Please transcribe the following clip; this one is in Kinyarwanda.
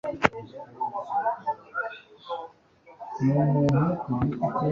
Navuze nti Nigute ushobora kwinjira niba ubitinya wenyine